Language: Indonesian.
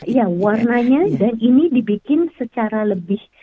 iya warnanya dan ini dibikin secara lebih